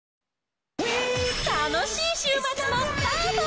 楽しい週末のスタート。